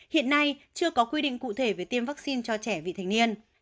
hiện nay chưa có quy định cụ thể về tiêm vaccine cho trẻ vị thành niên